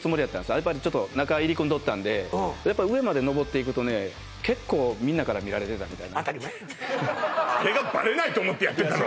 合間にちょっと中入り組んどったんでやっぱ上までのぼっていくとね結構みんなから見られてたみたい当たり前やあれがバレないと思ってやってたの？